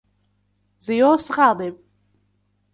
زيوس غاضب.